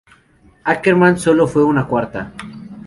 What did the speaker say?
Ackermann solo fue cuarta.